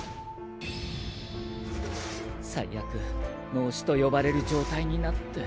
最悪脳死と呼ばれる状態になって。